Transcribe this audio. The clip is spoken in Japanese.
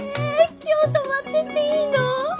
今日泊まってっていいって！